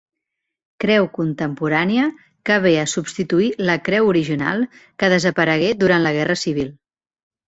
Creu contemporània que ve a substituir la creu original que desaparegué durant la Guerra Civil.